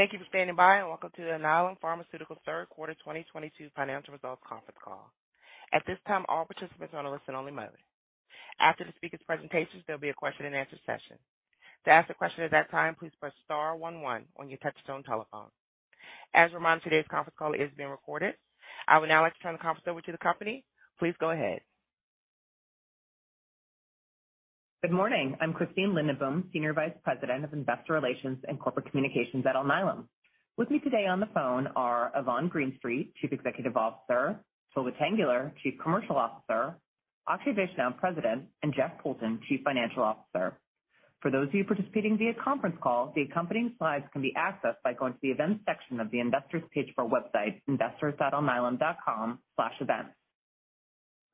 Thank you for standing by, and welcome to Alnylam Pharmaceuticals Third Quarter 2022 Financial Results Conference Call. At this time, all participants are on a listen-only mode. After the speaker's presentations, there'll be a question and answer session. To ask a question at that time, please press star one one on your touch-tone telephone. As a reminder, today's conference call is being recorded. I would now like to turn the conference over to the company. Please go ahead. Good morning. I'm Christine Lindenboom, Senior Vice President of Investor Relations and Corporate Communications at Alnylam. With me today on the phone are Yvonne Greenstreet, Chief Executive Officer, Tolga Tanguler, Chief Commercial Officer, Akshay Vaishnaw, President, and Jeff Poulton, Chief Financial Officer. For those of you participating via conference call, the accompanying slides can be accessed by going to the events section of the investors page of our website, investors.alnylam.com/events.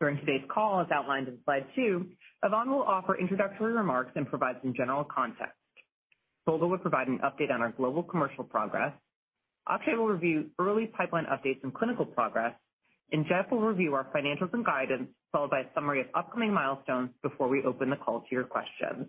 During today's call, as outlined in slide two, Yvonne will offer introductory remarks and provide some general context. Tolga will provide an update on our global commercial progress. Akshay will review early pipeline updates and clinical progress, and Jeff will review our financials and guidance, followed by a summary of upcoming milestones before we open the call to your questions.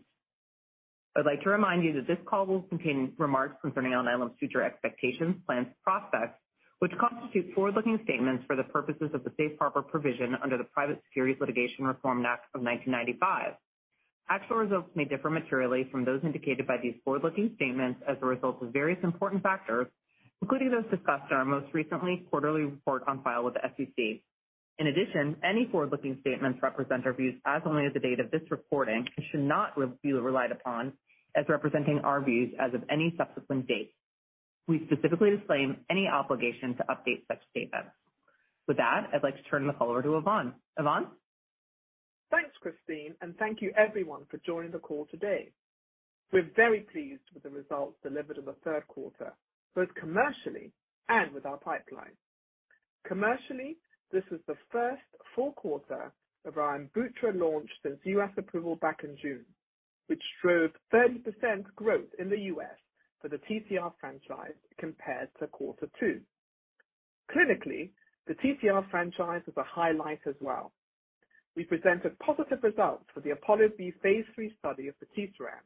I'd like to remind you that this call will contain remarks concerning Alnylam's future expectations, plans, and prospects, which constitute forward-looking statements for the purposes of the Safe Harbor Provision under the Private Securities Litigation Reform Act of 1995. Actual results may differ materially from those indicated by these forward-looking statements as a result of various important factors, including those discussed in our most recent quarterly report on file with the SEC. In addition, any forward-looking statements represent our views as only at the date of this recording and should not be relied upon as representing our views as of any subsequent date. We specifically disclaim any obligation to update such statements. With that, I'd like to turn the call over to Yvonne. Yvonne? Thanks, Christine, and thank you everyone for joining the call today. We're very pleased with the results delivered in the third quarter, both commercially and with our pipeline. Commercially, this was the first full quarter of our ONPATTRO launch since U.S. approval back in June, which drove 30% growth in the U.S. for the TTR franchise compared to quarter two. Clinically, the TTR franchise is a highlight as well. We presented positive results for the APOLLO-B phase III study of patisiran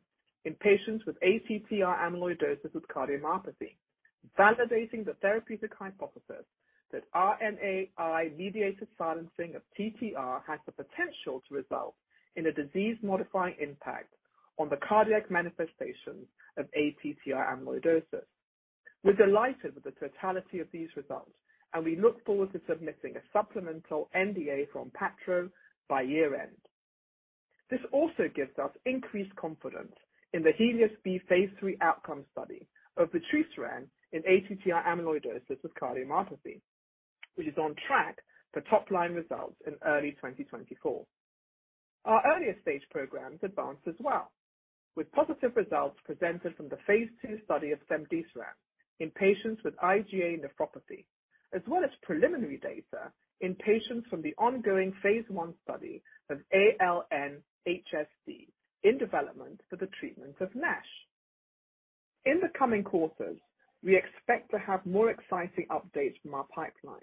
in patients with ATTR amyloidosis with cardiomyopathy, validating the therapeutic hypothesis that RNAi-mediated silencing of TTR has the potential to result in a disease-modifying impact on the cardiac manifestations of ATTR amyloidosis. We're delighted with the totality of these results, and we look forward to submitting a supplemental NDA for ONPATTRO by year-end. This also gives us increased confidence in the HELIOS-B phase III outcome study of patisiran in ATTR amyloidosis with cardiomyopathy, which is on track for top-line results in early 2024. Our earlier-stage programs advanced as well, with positive results presented from the phase II study of cemdisiran in patients with IgA nephropathy, as well as preliminary data in patients from the ongoing phase I study of ALN-HSD in development for the treatment of NASH. In the coming quarters, we expect to have more exciting updates from our pipeline,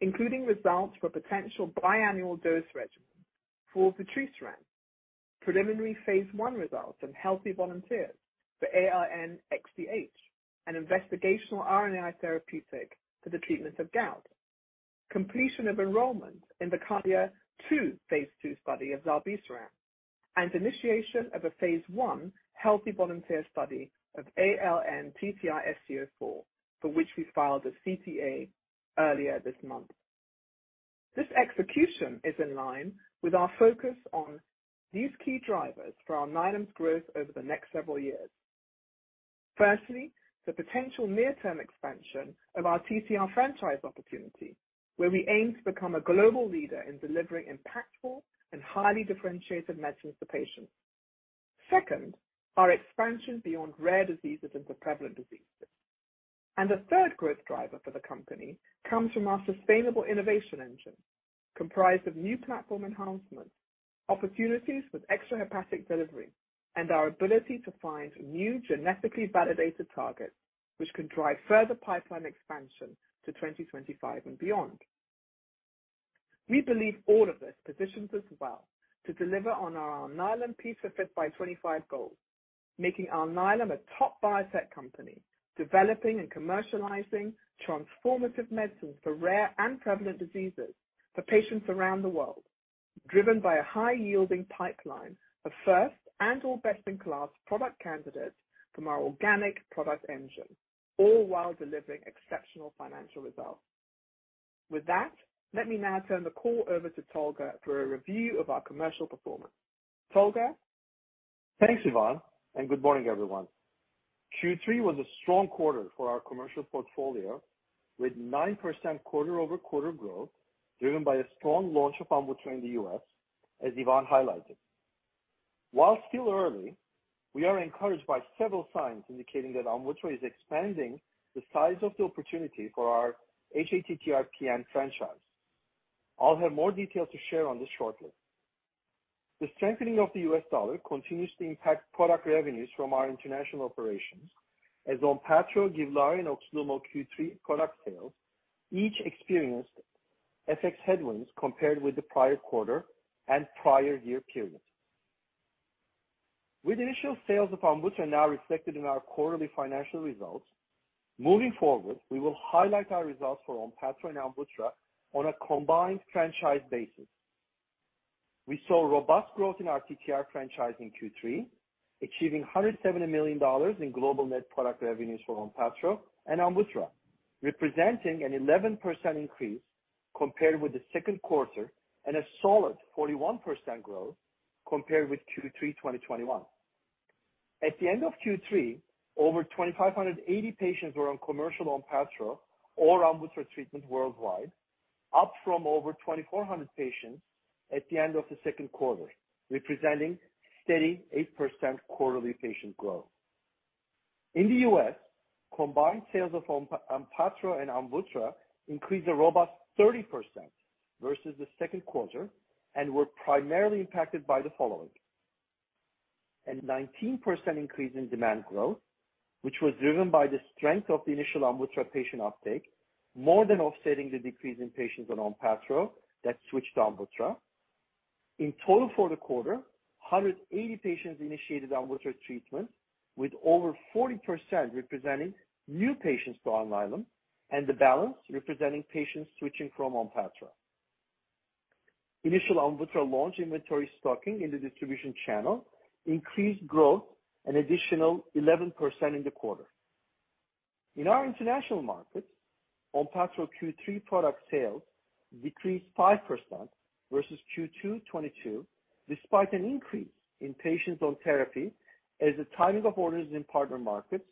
including results for potential biannual dose regimen for patisiran, preliminary phase I results in healthy volunteers for ALN-XDH, an investigational RNAi therapeutic for the treatment of gout, completion of enrollment in the KARDIA-2 phase II study of zilebesiran, and initiation of a phase I healthy volunteer study of ALN-TTRsc04, for which we filed a CTA earlier this month. This execution is in line with our focus on these key drivers for Alnylam's growth over the next several years. Firstly, the potential near-term expansion of our TTR franchise opportunity, where we aim to become a global leader in delivering impactful and highly differentiated medicines to patients. Second, our expansion beyond rare diseases into prevalent diseases. The third growth driver for the company comes from our sustainable innovation engine, comprised of new platform enhancements, opportunities with extrahepatic delivery, and our ability to find new genetically validated targets which can drive further pipeline expansion to 2025 and beyond. We believe all of this positions us well to deliver on our Alnylam P5x25 by 25 goals, making Alnylam a top biopharma company, developing and commercializing transformative medicines for rare and prevalent diseases for patients around the world, driven by a high-yielding pipeline of first and or best-in-class product candidates from our organic product engine, all while delivering exceptional financial results. With that, let me now turn the call over to Tolga for a review of our commercial performance. Tolga? Thanks, Yvonne, and good morning, everyone. Q3 was a strong quarter for our commercial portfolio, with 9% quarter-over-quarter growth driven by a strong launch of ONPATTRO in the U.S., as Yvonne highlighted. While still early, we are encouraged by several signs indicating that ONPATTRO is expanding the size of the opportunity for our hATTR-PN franchise. I'll have more details to share on this shortly. The strengthening of the U.S. dollar continues to impact product revenues from our international operations. As ONPATTRO, GIVLAARI, and OXLUMO Q3 product sales each experienced FX headwinds compared with the prior quarter and prior year periods. With initial sales of AMVUTTRA now reflected in our quarterly financial results, moving forward, we will highlight our results for ONPATTRO and AMVUTTRA on a combined franchise basis. We saw robust growth in our TTR franchise in Q3, achieving $170 million in global net product revenues for ONPATTRO and AMVUTTRA, representing an 11% increase compared with the second quarter and a solid 41% growth compared with Q3 2021. At the end of Q3, over 2,580 patients were on commercial ONPATTRO or AMVUTTRA treatment worldwide, up from over 2,400 patients at the end of the second quarter, representing steady 8% quarterly patient growth. In the U.S., combined sales of ONPATTRO and AMVUTTRA increased a robust 30% vs the second quarter and were primarily impacted by the following. A 19% increase in demand growth, which was driven by the strength of the initial AMVUTTRA patient uptake, more than offsetting the decrease in patients on ONPATTRO that switched to AMVUTTRA. In total for the quarter, 180 patients initiated AMVUTTRA treatment, with over 40% representing new patients to Alnylam, and the balance representing patients switching from ONPATTRO. Initial AMVUTTRA launch inventory stocking in the distribution channel increased growth an additional 11% in the quarter. In our international markets, ONPATTRO Q3 product sales decreased 5% vs Q2 2022, despite an increase in patients on therapy as the timing of orders in partner markets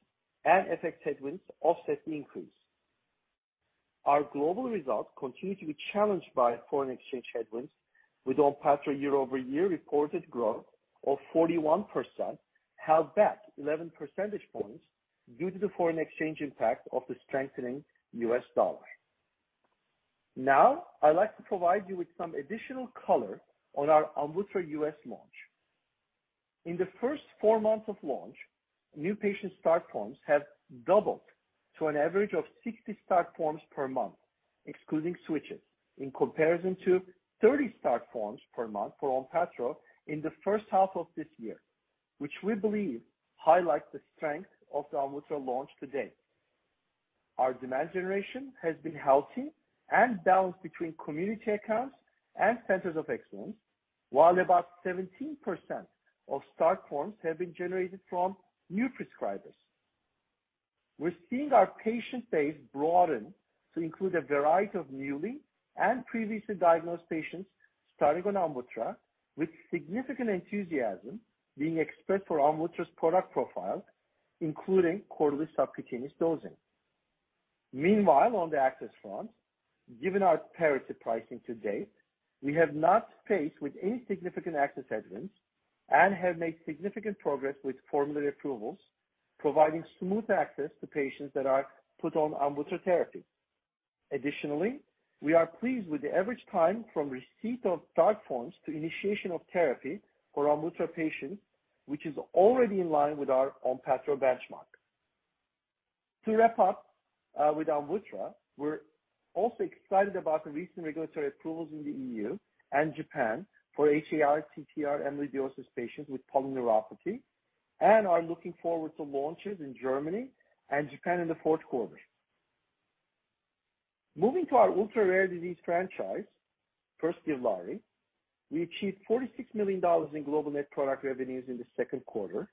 and FX headwinds offset the increase. Our global results continue to be challenged by foreign exchange headwinds, with ONPATTRO year-over-year reported growth of 41% held back 11 percentage points due to the foreign exchange impact of the strengthening U.S. dollar. Now, I'd like to provide you with some additional color on our AMVUTTRA U.S. launch. In the first four months of launch, new patient start forms have doubled to an average of 60 start forms per month, excluding switches, in comparison to 30 start forms per month for ONPATTRO in the first half of this year, which we believe highlights the strength of the AMVUTTRA launch to date. Our demand generation has been healthy and balanced between community accounts and centers of excellence, while about 17% of start forms have been generated from new prescribers. We're seeing our patient base broaden to include a variety of newly and previously diagnosed patients starting on AMVUTTRA, with significant enthusiasm being expressed for AMVUTTRA's product profile, including quarterly subcutaneous dosing. Meanwhile, on the access front, given our parity pricing to date, we have not faced any significant access headwinds and have made significant progress with formulary approvals, providing smooth access to patients that are put on AMVUTTRA therapy. Additionally, we are pleased with the average time from receipt of start forms to initiation of therapy for AMVUTTRA patients, which is already in line with our ONPATTRO benchmark. To wrap up with AMVUTTRA, we're also excited about the recent regulatory approvals in the EU and Japan for hATTR amyloidosis patients with polyneuropathy and are looking forward to launches in Germany and Japan in the fourth quarter. Moving to our ultra-rare disease franchise. First, GIVLAARI. We achieved $46 million in global net product revenues in the second quarter,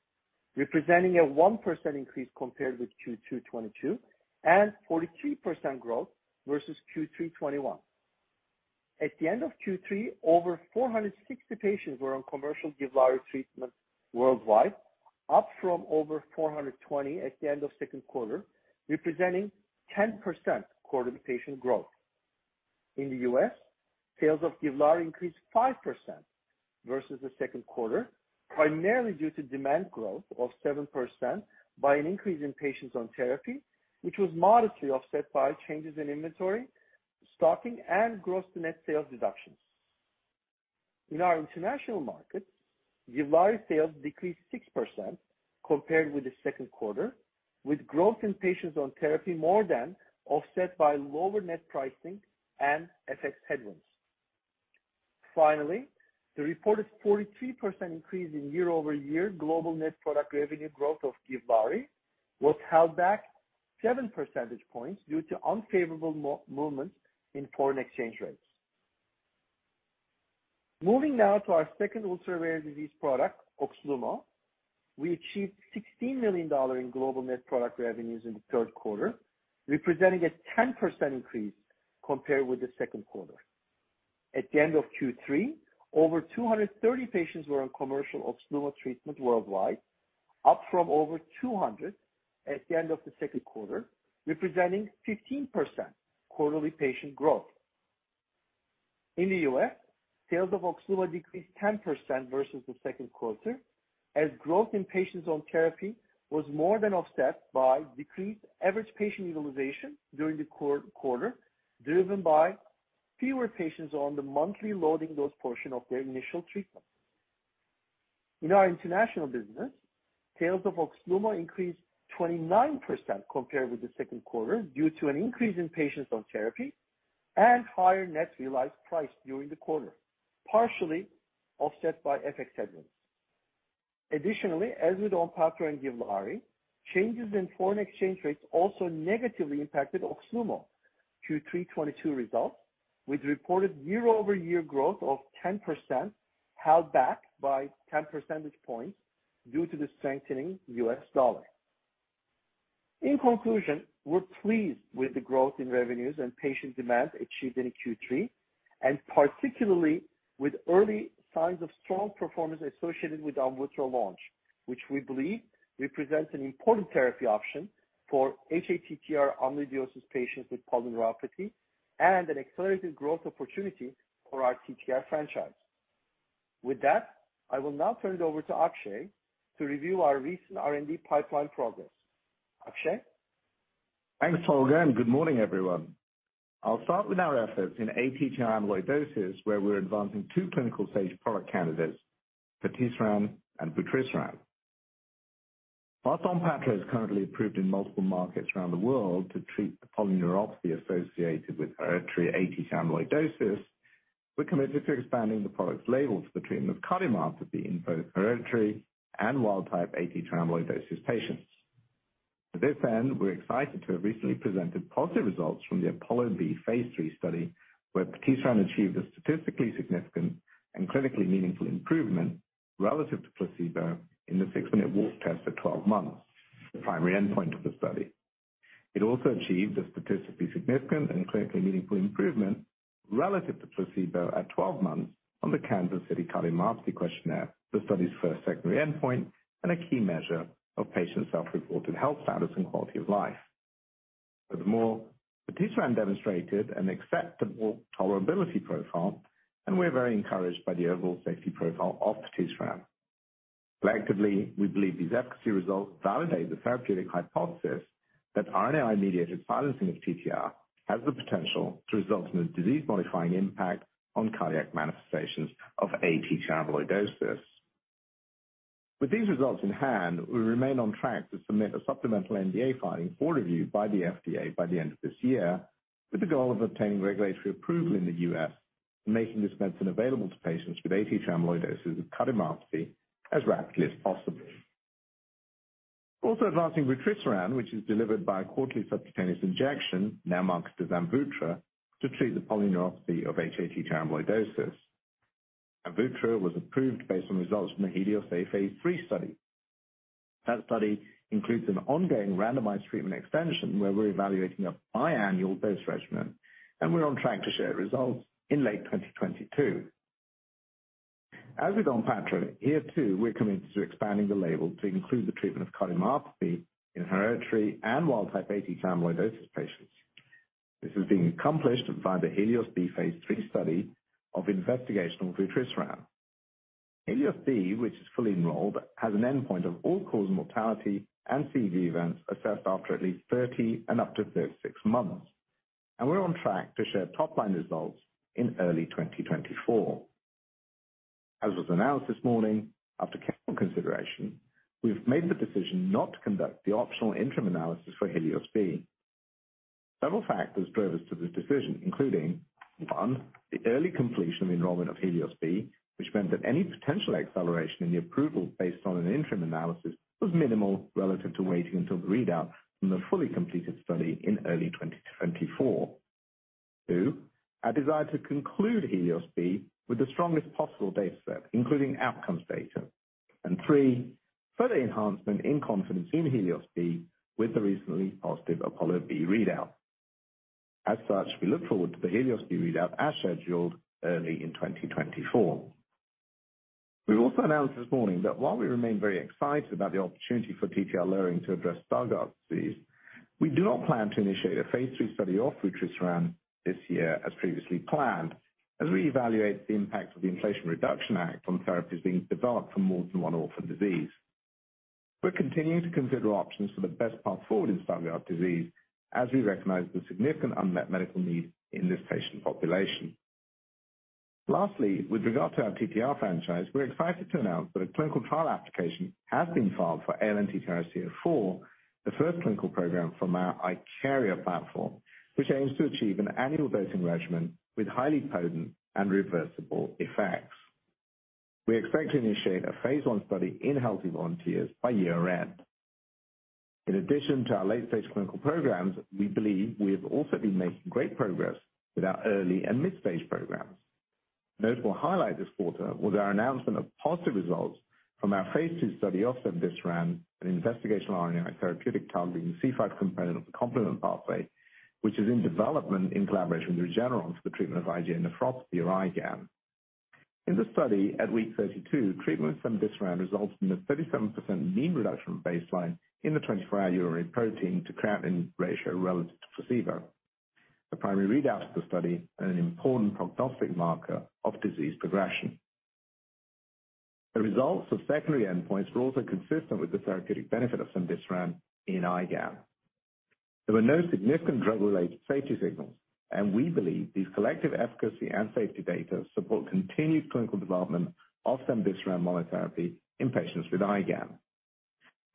representing a 1% increase compared with Q2 2022, and 43% growth vs Q3 2021. At the end of Q3, over 460 patients were on commercial GIVLAARI treatment worldwide, up from over 420 at the end of second quarter, representing 10% quarter-to-quarter patient growth. In the U.S., sales of GIVLAARI increased 5% vs the second quarter, primarily due to demand growth of 7% from an increase in patients on therapy, which was modestly offset by changes in inventory, stocking, and gross-to-net sales deductions. In our international markets, GIVLAARI sales decreased 6% compared with the second quarter, with growth in patients on therapy more than offset by lower net pricing and FX headwinds. Finally, the reported 43% increase in year-over-year global net product revenue growth of GIVLAARI was held back 7 percentage points due to unfavorable movements in foreign exchange rates. Moving now to our second ultra-rare disease product, OXLUMO. We achieved $16 million in global net product revenues in the third quarter, representing a 10% increase compared with the second quarter. At the end of Q3, over 230 patients were on commercial OXLUMO treatment worldwide, up from over 200 at the end of the second quarter, representing 15% quarterly patient growth. In the U.S., sales of OXLUMO decreased 10% vs the second quarter, as growth in patients on therapy was more than offset by decreased average patient utilization during the quarter, driven by fewer patients on the monthly loading dose portion of their initial treatment. In our international business, sales of OXLUMO increased 29% compared with the second quarter, due to an increase in patients on therapy and higher net realized price during the quarter, partially offset by FX headwinds. Additionally, as with ONPATTRO and GIVLAARI, changes in foreign exchange rates also negatively impacted OXLUMO Q3 2022 results, with reported year-over-year growth of 10% held back by 10 percentage points due to the strengthening US dollar. In conclusion, we're pleased with the growth in revenues and patient demand achieved in Q3, and particularly with early signs of strong performance associated with our AMVUTTRA launch. Which we believe represents an important therapy option for hATTR amyloidosis patients with polyneuropathy, and an accelerated growth opportunity for our TTR franchise. With that, I will now turn it over to Akshay to review our recent R&D pipeline progress. Akshay? Thanks, Tolga, and good morning, everyone. I'll start with our efforts in ATTR amyloidosis, where we're advancing two clinical stage product candidates, patisiran and vutrisiran. While ONPATTRO is currently approved in multiple markets around the world to treat the polyneuropathy associated with hereditary ATTR amyloidosis, we're committed to expanding the product's label to the treatment of cardiomyopathy in both hereditary and wild type ATTR amyloidosis patients. To this end, we're excited to have recently presented positive results from the APOLLO-B phase III study, where patisiran achieved a statistically significant and clinically meaningful improvement relative to placebo in the six-minute walk test at 12 months, the primary endpoint of the study. It also achieved a statistically significant and clinically meaningful improvement relative to placebo at 12 months on the Kansas City Cardiomyopathy Questionnaire, the study's first secondary endpoint and a key measure of patient self-reported health status and quality of life. Furthermore, patisiran demonstrated an acceptable tolerability profile, and we're very encouraged by the overall safety profile of patisiran. Collectively, we believe these efficacy results validate the therapeutic hypothesis that RNAi-mediated silencing of TTR has the potential to result in a disease-modifying impact on cardiac manifestations of ATTR amyloidosis. With these results in hand, we remain on track to submit a supplemental sNDA filing for review by the FDA by the end of this year, with the goal of obtaining regulatory approval in the U.S. and making this medicine available to patients with ATTR amyloidosis and cardiomyopathy as rapidly as possible. Also advancing vutrisiran, which is delivered by a quarterly subcutaneous injection, now marketed as Amvuttra, to treat the polyneuropathy of hATTR amyloidosis. Amvuttra was approved based on results from the HELIOS-A phase III study. That study includes an ongoing randomized treatment extension where we're evaluating a biannual dose regimen, and we're on track to share results in late 2022. As with ONPATTRO, here too, we're committed to expanding the label to include the treatment of cardiomyopathy in hereditary and wild type ATTR amyloidosis patients. This is being accomplished by the HELIOS-B phase III study of investigational vutrisiran. HELIOS-B, which is fully enrolled, has an endpoint of all-cause mortality and CV events assessed after at least 30 and up to 36 months. We're on track to share top-line results in early 2024. As was announced this morning, after careful consideration, we've made the decision not to conduct the optional interim analysis for HELIOS-B. Several factors drove us to this decision, including, one, the early completion of enrollment of HELIOS-B, which meant that any potential acceleration in the approval based on an interim analysis was minimal relative to waiting until the readout from the fully completed study in early 2024. Two, our desire to conclude HELIOS-B with the strongest possible data set, including outcomes data. Three, further enhancement in confidence in HELIOS-B with the recently positive APOLLO-B readout. As such, we look forward to the HELIOS-B readout as scheduled early in 2024. We've also announced this morning that while we remain very excited about the opportunity for TTR lowering to address Stargardt disease, we do not plan to initiate a phase III study of vutrisiran this year as previously planned, as we evaluate the impact of the Inflation Reduction Act on therapies being developed for more than one orphan disease. We're continuing to consider options for the best path forward in Stargardt disease as we recognize the significant unmet medical need in this patient population. Lastly, with regard to our TTR franchise, we're excited to announce that a clinical trial application has been filed for ALN-TTRsc04, the first clinical program from our IKARIA platform, which aims to achieve an annual dosing regimen with highly potent and reversible effects. We expect to initiate a phase I study in healthy volunteers by year-end. In addition to our late-stage clinical programs, we believe we have also been making great progress with our early and mid-stage programs. A notable highlight this quarter was our announcement of positive results from our phase II study of cemdisiran, an investigational RNAi therapeutic targeting the C5 component of the complement pathway, which is in development in collaboration with Regeneron for the treatment of IgA nephropathy or IgAN. In the study, at week 32, treatment cemdisiran results in a 37% mean reduction from baseline in the 24-hour urinary protein to creatinine ratio relative to placebo, the primary readout of the study and an important prognostic marker of disease progression. The results of secondary endpoints were also consistent with the therapeutic benefit of cemdisiran in IgAN. There were no significant drug-related safety signals, and we believe these collective efficacy and safety data support continued clinical development of cemdisiran monotherapy in patients with IgAN.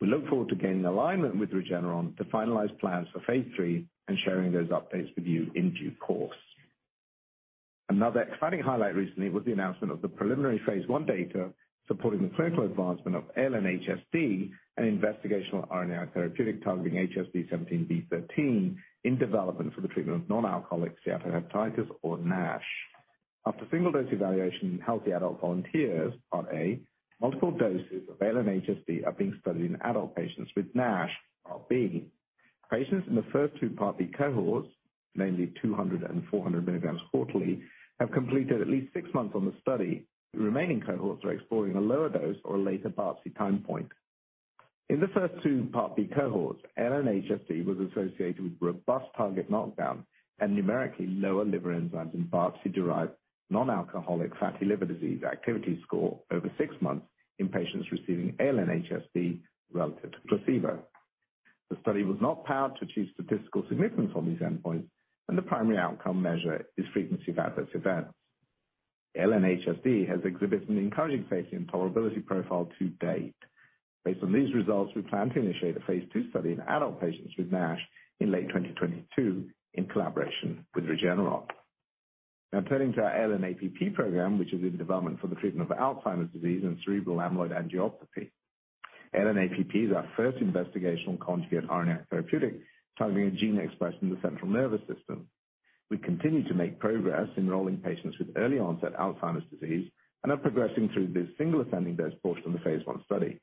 We look forward to gaining alignment with Regeneron to finalize plans for phase III and sharing those updates with you in due course. Another exciting highlight recently was the announcement of the preliminary phase I data supporting the clinical advancement of ALN-HSD, an investigational RNAi therapeutic targeting HSD17B13 in development for the treatment of non-alcoholic steatohepatitis or NASH. After single dose evaluation in healthy adult volunteers, part A, multiple doses of ALN-HSD are being studied in adult patients with NASH, part B. Patients in the first two part B cohorts, namely 200 and 400 milligrams quarterly, have completed at least six months on the study. The remaining cohorts are exploring a lower dose or a later part C time point. In the first two part B cohorts, ALN-HSD was associated with robust target knockdown and numerically lower liver enzymes in part C derived non-alcoholic fatty liver disease activity score over six months in patients receiving ALN-HSD relative to placebo. The study was not powered to achieve statistical significance on these endpoints, and the primary outcome measure is frequency of adverse events. ALN-HSD has exhibited an encouraging safety and tolerability profile to date. Based on these results, we plan to initiate a phase II study in adult patients with NASH in late 2022 in collaboration with Regeneron. Now turning to our ALN-APP program, which is in development for the treatment of Alzheimer's disease and cerebral amyloid angiopathy. ALN-APP is our first investigational conjugate RNAi therapeutic targeting a gene expressed in the central nervous system. We continue to make progress enrolling patients with early onset Alzheimer's disease and are progressing through this single ascending dose portion of the phase I study.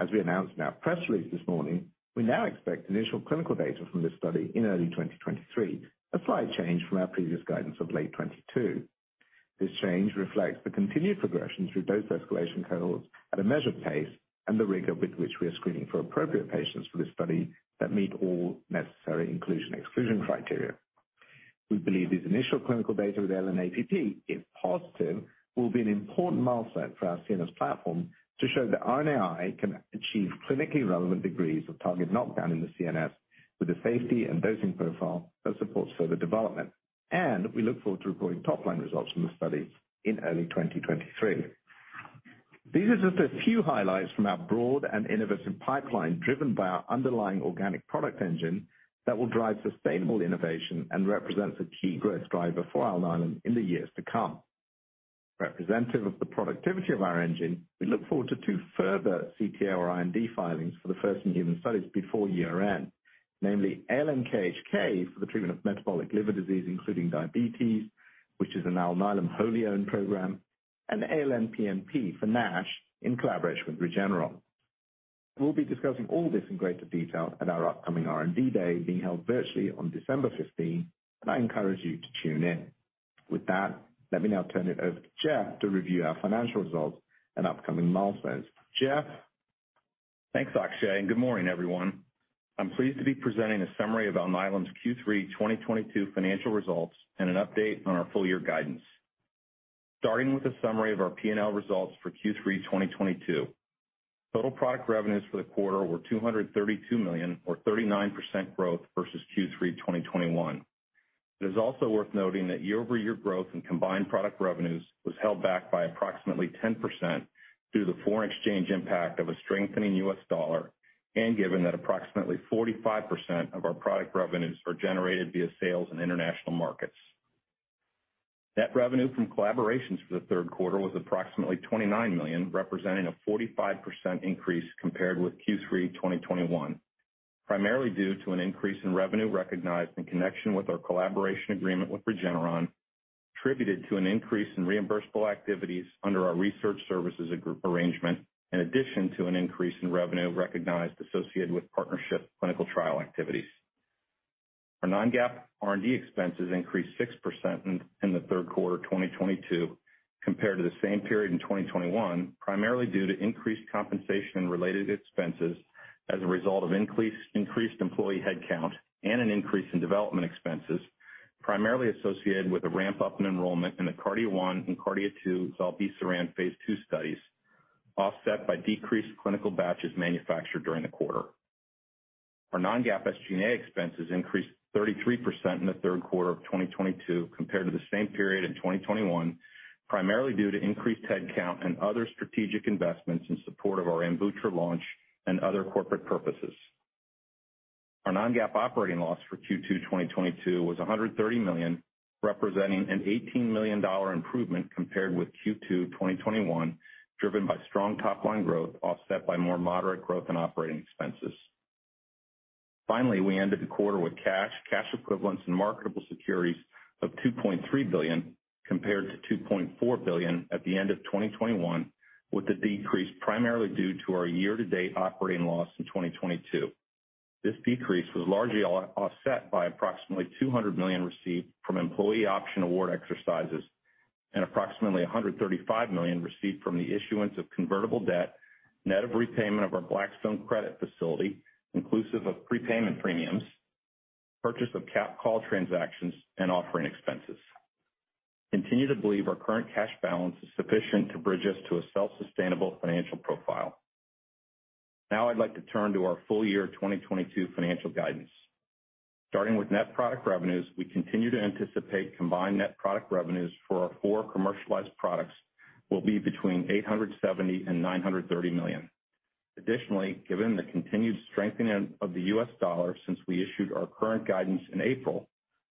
As we announced in our press release this morning, we now expect initial clinical data from this study in early 2023, a slight change from our previous guidance of late 2022. This change reflects the continued progression through dose escalation cohorts at a measured pace and the rigor with which we are screening for appropriate patients for this study that meet all necessary inclusion/exclusion criteria. We believe these initial clinical data with ALN-APP, if positive, will be an important milestone for our CNS platform to show that RNAi can achieve clinically relevant degrees of target knockdown in the CNS with a safety and dosing profile that supports further development. We look forward to reporting top-line results from the study in early 2023. These are just a few highlights from our broad and innovative pipeline, driven by our underlying organic product engine that will drive sustainable innovation and represents a key growth driver for Alnylam in the years to come. Representative of the productivity of our engine, we look forward to two further CTA/IND filings for the first in human studies before year-end, namely ALN-KHK for the treatment of metabolic liver disease, including diabetes, which is an Alnylam wholly owned program, and ALN-PNP for NASH in collaboration with Regeneron. We'll be discussing all this in greater detail at our upcoming R&D Day being held virtually on December fifteenth, and I encourage you to tune in. With that, let me now turn it over to Jeff to review our financial results and upcoming milestones. Jeff. Thanks, Akshay, and good morning, everyone. I'm pleased to be presenting a summary of Alnylam's Q3 2022 financial results and an update on our full year guidance. Starting with a summary of our P&L results for Q3 2022. Total product revenues for the quarter were $232 million or 39% growth vs Q3 2021. It is also worth noting that year-over-year growth in combined product revenues was held back by approximately 10% due to the foreign exchange impact of a strengthening U.S. dollar, and given that approximately 45% of our product revenues are generated via sales in international markets. Net revenue from collaborations for the third quarter was approximately $29 million, representing a 45% increase compared with Q3 2021, primarily due to an increase in revenue recognized in connection with our collaboration agreement with Regeneron, attributed to an increase in reimbursable activities under our research services agreement, in addition to an increase in revenue recognized associated with partnership clinical trial activities. Our non-GAAP R&D expenses increased 6% in the third quarter of 2022 compared to the same period in 2021, primarily due to increased compensation and related expenses as a result of increased employee headcount and an increase in development expenses, primarily associated with a ramp-up in enrollment in the KARDIA-1 and KARDIA-2 zilebesiran phase II studies, offset by decreased clinical batches manufactured during the quarter. Our non-GAAP SG&A expenses increased 33% in the third quarter of 2022 compared to the same period in 2021, primarily due to increased headcount and other strategic investments in support of our Amvuttra launch and other corporate purposes. Our non-GAAP operating loss for Q2 2022 was $130 million, representing an $18 million improvement compared with Q2 2021, driven by strong top-line growth, offset by more moderate growth in operating expenses. Finally, we ended the quarter with cash equivalents, and marketable securities of $2.3 billion, compared to $2.4 billion at the end of 2021, with the decrease primarily due to our year-to-date operating loss in 2022. This decrease was largely offset by approximately $200 million received from employee option award exercises and approximately $135 million received from the issuance of convertible debt, net of repayment of our Blackstone credit facility, inclusive of prepayment premiums, purchase of cap call transactions, and offering expenses. Continue to believe our current cash balance is sufficient to bridge us to a self-sustainable financial profile. Now I'd like to turn to our full year 2022 financial guidance. Starting with net product revenues, we continue to anticipate combined net product revenues for our four commercialized products will be between $870 million and $930 million. Additionally, given the continued strengthening of the U.S. dollar since we issued our current guidance in April,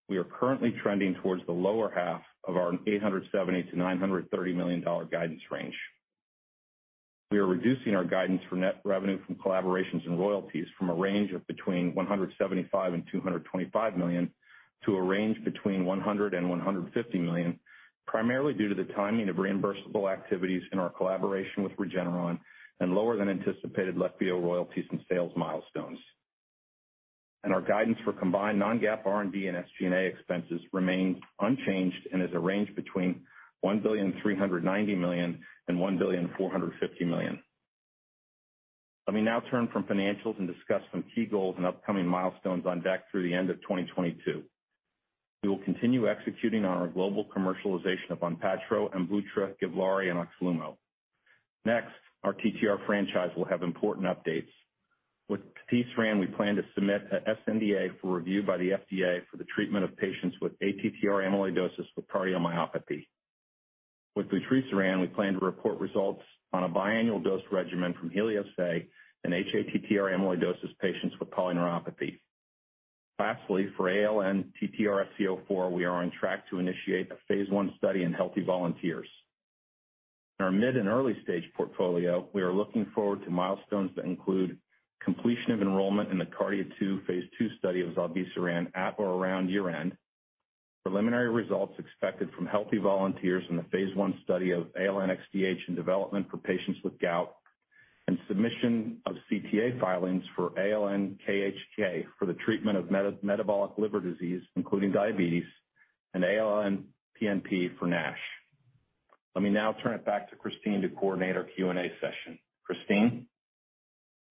we are currently trending towards the lower half of our $870-$930 million dollar guidance range. We are reducing our guidance for net revenue from collaborations and royalties from a range of between $175 million and $225 million to a range between $100 million and $150 million, primarily due to the timing of reimbursable activities in our collaboration with Regeneron and lower than anticipated Leqvio royalties and sales milestones. Our guidance for combined non-GAAP, R&D and SG&A expenses remain unchanged and is a range between $1.39 billion and $1.45 billion. Let me now turn from financials and discuss some key goals and upcoming milestones on deck through the end of 2022. We will continue executing on our global commercialization of ONPATTRO, AMVUTTRA, GIVLAARI and OXLUMO. Next, our TTR franchise will have important updates. With patisiran, we plan to submit a sNDA for review by the FDA for the treatment of patients with ATTR amyloidosis with cardiomyopathy. With vutrisiran, we plan to report results on a biannual dose regimen from HELIOS-A in hATTR amyloidosis patients with polyneuropathy. Lastly, for ALN-TTRsc04, we are on track to initiate a phase I study in healthy volunteers. In our mid and early stage portfolio, we are looking forward to milestones that include completion of enrollment in the KARDIA-2 phase II study of zilebesiran at or around year-end. Preliminary results expected from healthy volunteers in the phase I study of ALN-XDH in development for patients with gout, and submission of CTA filings for ALN-KHK for the treatment of metabolic liver disease, including diabetes and ALN-PNP for NASH. Let me now turn it back to Christine to coordinate our Q&A session. Christine.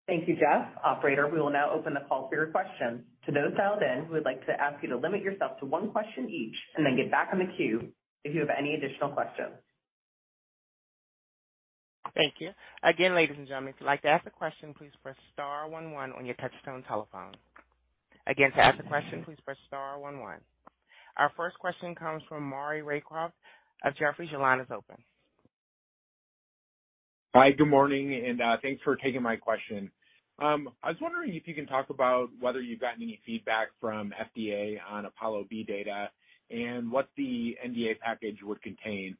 Thank you, Jeff. Operator, we will now open the call for your questions. To those dialed in, we would like to ask you to limit yourself to one question each and then get back in the queue if you have any additional questions. Thank you. Again, ladies and gentlemen, if you'd like to ask a question, please press star one one on your touchtone telephone. Again, to ask a question, please press star one one. Our first question comes from Maury Raycroft of Jefferies. Your line is open. Hi, good morning, and thanks for taking my question. I was wondering if you can talk about whether you've gotten any feedback from FDA on APOLLO-B data and what the NDA package would contain,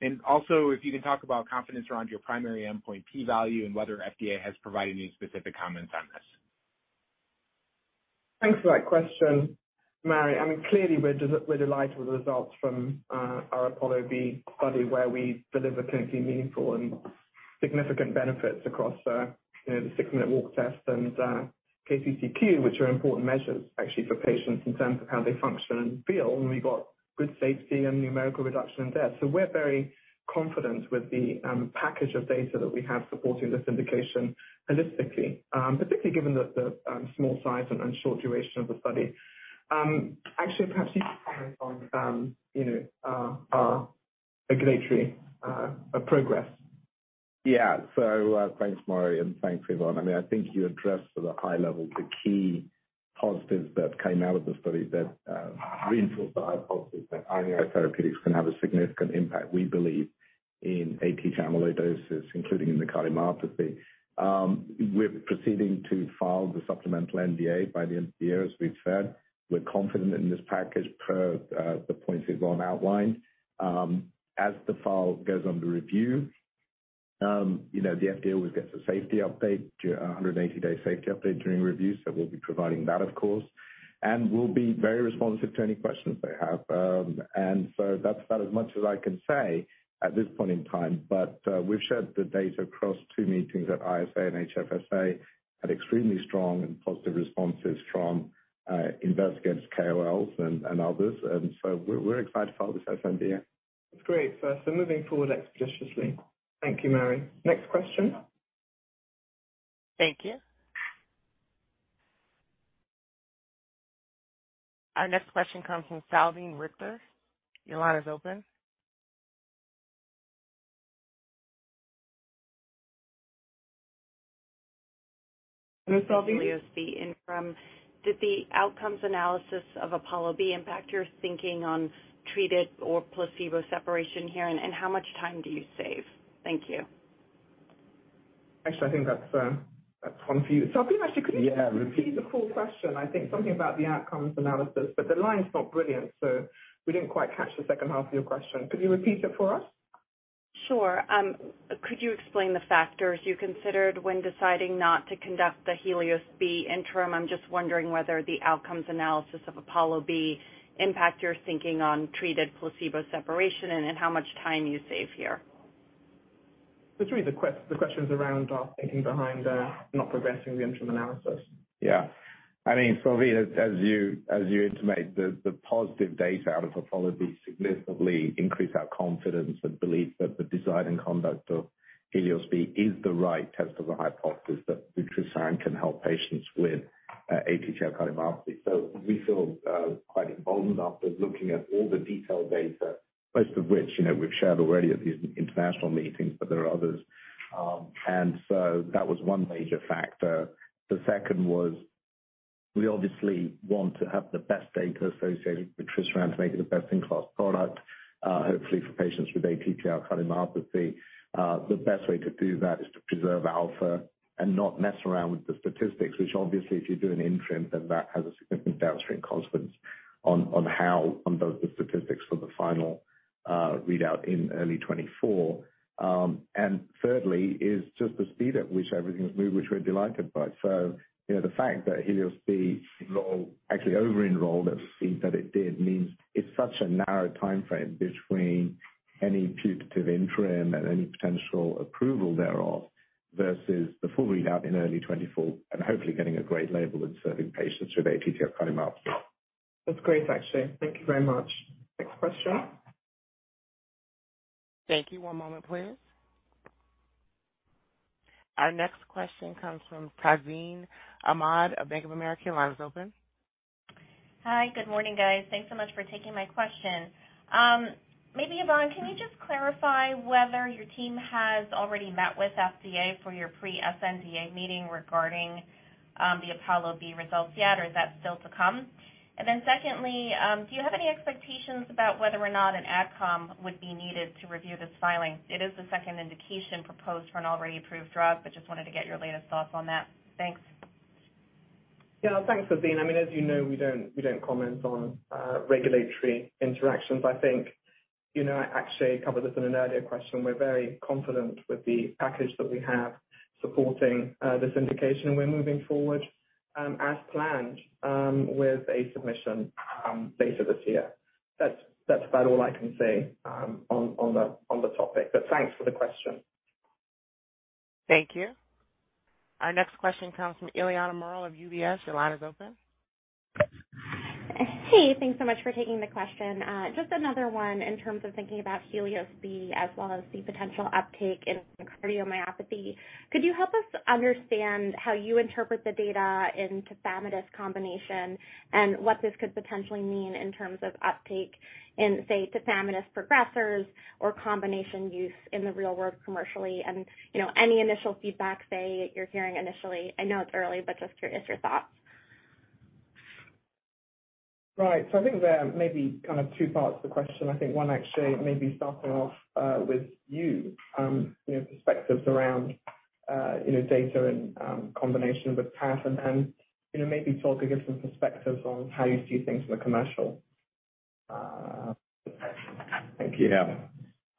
and also if you can talk about confidence around your primary endpoint P value and whether FDA has provided any specific comments on this? Thanks for that question, Maury. I mean, clearly we're delighted with the results from our APOLLO-B study where we deliver clinically meaningful and significant benefits across, you know, the six-minute walk test and KCCQ, which are important measures actually for patients in terms of how they function and feel. We've got good safety and numerical reduction in death. We're very confident with the package of data that we have supporting this indication holistically, particularly given that the small size and short duration of the study. Actually perhaps you could comment on, you know, regulatory progress. Yeah. Thanks, Maury, and thanks, Yvonne. I mean, I think you addressed sort of high level the key positives that came out of the study that reinforce the hypothesis that Ionis Pharmaceuticals can have a significant impact, we believe in ATTR amyloidosis, including in the cardiomyopathy. We're proceeding to file the supplemental NDA by the end of the year. As we've said, we're confident in this package per the points Yvonne outlined. As the file goes under review, you know, the FDA always gets a safety update, 180-day safety update during review. So we'll be providing that of course, and we'll be very responsive to any questions they have. That's about as much as I can say at this point in time, but we've shared the data across two meetings at ISA and HFSA, had extremely strong and positive responses from investigators, KOLs, and others. We're excited to file this sNDA. That's great. Moving forward expeditiously. Thank you, Maury. Next question. Thank you. Our next question comes from Salveen Richter. Your line is open. Salveen? HELIOS-B interim, did the outcomes analysis of APOLLO-B impact your thinking on treated or placebo separation here, and how much time do you save? Thank you. Actually, I think that's one for you. Salveen, actually, could you- Yeah. Repeat the full question? I think something about the outcomes analysis, but the line's not brilliant, so we didn't quite catch the second half of your question. Could you repeat it for us? Sure. Could you explain the factors you considered when deciding not to conduct the HELIOS-B interim? I'm just wondering whether the outcomes analysis of APOLLO-B impact your thinking on treated placebo separation and then how much time you save here. To me, the question is around our thinking behind not progressing the interim analysis. Yeah. I mean, Salveen, as you intimate the positive data out of APOLLO-B significantly increase our confidence and belief that the design and conduct of HELIOS-B is the right test of the hypothesis that vutrisiran can help patients with ATTR cardiomyopathy. We feel quite emboldened after looking at all the detailed data, most of which, you know, we've shared already at these international meetings, but there are others. That was one major factor. The second was we obviously want to have the best data associated with vutrisiran to make it the best-in-class product, hopefully for patients with ATTR cardiomyopathy. The best way to do that is to preserve alpha and not mess around with the statistics, which obviously if you do an interim, then that has a significant downstream consequence on both the statistics for the final readout in early 2024. Thirdly is just the speed at which everything's moved, which we're delighted by. You know, the fact that HELIOS-B enrolled, actually over-enrolled it seems that it did, means it's such a narrow timeframe between any putative interim and any potential approval thereof vs the full readout in early 2024 and hopefully getting a great label and serving patients with ATTR cardiomyopathy. That's great, actually. Thank you very much. Next question. Thank you. One moment please. Our next question comes from Tazeen Ahmad of Bank of America. Your line is open. Hi. Good morning, guys. Thanks so much for taking my question. Maybe, Yvonne, can you just clarify whether your team has already met with FDA for your pre-sNDA meeting regarding the APOLLO-B results yet, or is that still to come? Secondly, do you have any expectations about whether or not an ad com would be needed to review this filing? It is the second indication proposed for an already approved drug, but just wanted to get your latest thoughts on that. Thanks. Yeah. Thanks, Tazeen. I mean, as you know, we don't comment on regulatory interactions. I think, you know, Akshay covered this in an earlier question. We're very confident with the package that we have supporting this indication. We're moving forward as planned with a submission later this year. That's about all I can say on the topic. Thanks for the question. Thank you. Our next question comes from Ellie Merle of UBS. Your line is open. Hey, thanks so much for taking the question. Just another one in terms of thinking about HELIOS-B as well as the potential uptake in cardiomyopathy. Could you help us understand how you interpret the data in Tafamidis combination and what this could potentially mean in terms of uptake in, say, Tafamidis progressors or combination use in the real world commercially? You know, any initial feedback, say, you're hearing initially. I know it's early, but just curious your thoughts. Right. I think there are maybe kind of two parts to the question. I think one actually may be starting off with you know, perspectives around you know, data and combination with TAF and you know, maybe Tolga gives some perspectives on how you see things from a commercial. Thank you.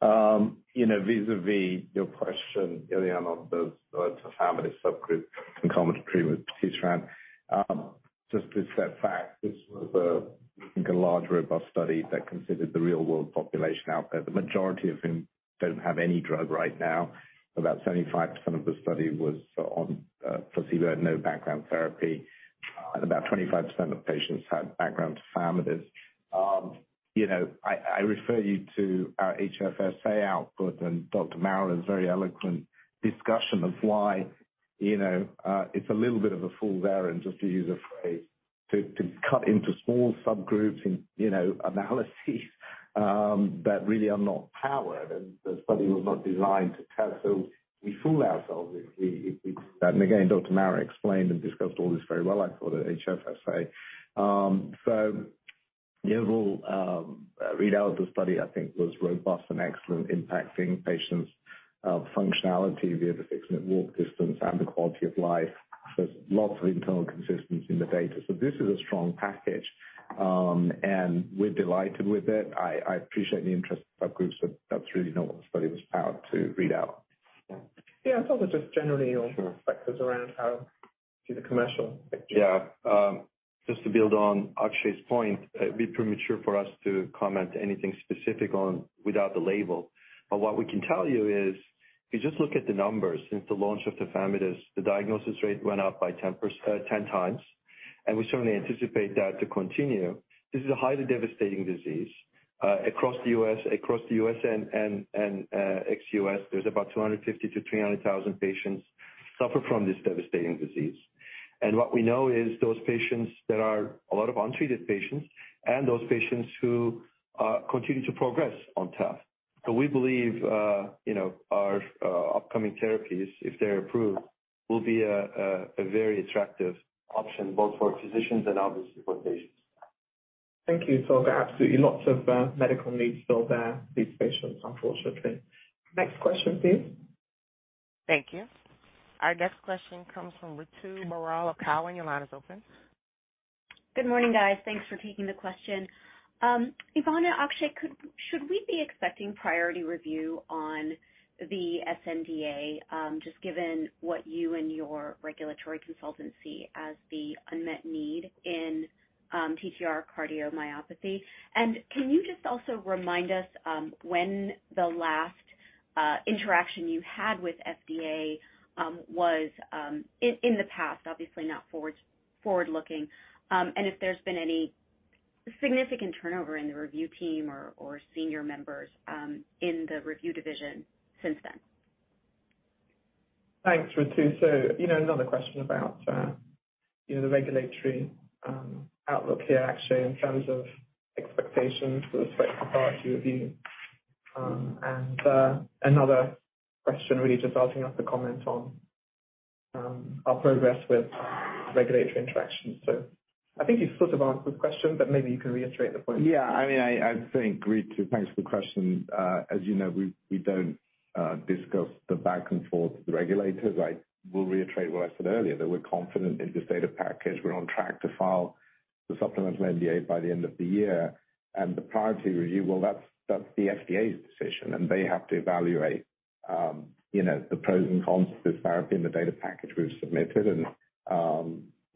Vis-à-vis your question, Ellie Merle, on the Tafamidis subgroup concomitant treatment with vutrisiran. Just to set facts, this was a, I think, a large robust study that considered the real world population out there. The majority of whom don't have any drug right now. About 75% of the study was on placebo, had no background therapy, and about 25% of patients had background Tafamidis. You know, I refer you to our HFSA output and John Maraganore's very eloquent discussion of why, you know, it's a little bit of a fool's errand, just to use a phrase, to cut into small subgroups and, you know, analyses that really are not powered and the study was not designed to test. We fool ourselves if we. Again, John Maraganore explained and discussed all this very well I thought at HFSA. The overall readout of the study, I think was robust and excellent, impacting patients' functionality via the six-minute walk distance and the quality of life. There's lots of internal consistency in the data. This is a strong package, and we're delighted with it. I appreciate the interest of subgroups, but that's really not what the study was powered to read out. Yeah. I thought that just generally your Sure. perspectives around how you see the commercial picture. Yeah. Just to build on Akshay's point, it'd be premature for us to comment anything specific on without the label. What we can tell you is if you just look at the numbers since the launch of Tafamidis, the diagnosis rate went up by 10%, 10 times, and we certainly anticipate that to continue. This is a highly devastating disease. Across the U.S. and ex-US, there's about 250-300 thousand patients suffer from this devastating disease. What we know is those patients, there are a lot of untreated patients and those patients who continue to progress on TAF. We believe, you know, our upcoming therapies, if they're approved, will be a very attractive option both for physicians and obviously for patients. Thank you, Tolga. Absolutely. Lots of medical needs still there for these patients, unfortunately. Next question, please. Thank you. Our next question comes from Ritu Baral of Cowen. Your line is open. Good morning, guys. Thanks for taking the question. Yvonne, Akshay, should we be expecting priority review on the sNDA, just given what you and your regulatory consultants see as the unmet need in TTR cardiomyopathy? Can you just also remind us when the last interaction you had with FDA was in the past, obviously not forward-looking, and if there's been any significant turnover in the review team or senior members in the review division since then? Thanks, Ritu. You know, another question about the regulatory outlook here, actually in terms of expectations for the priority review. Another question really just following up the comment on our progress with regulatory interactions. I think you've sort of answered this question, but maybe you can reiterate the point. Yeah. I mean, I think, Ritu, thanks for the question. As you know, we don't discuss the back-and-forth with regulators. I will reiterate what I said earlier, that we're confident in this data package. We're on track to file the supplemental NDA by the end of the year. The priority review, well, that's the FDA's decision, and they have to evaluate, you know, the pros and cons of this therapy and the data package we've submitted.